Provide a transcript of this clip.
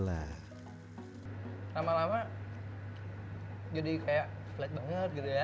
lama lama jadi kayak flat banget gitu ya